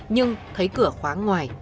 nhưng thấy cửa khóa ngoài